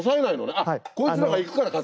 あっこいつらが行くから勝手に。